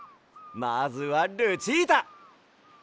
まずはルチータ！